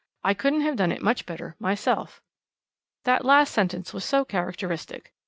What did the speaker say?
I couldn't have done it much better myself." That last sentence was so characteristic.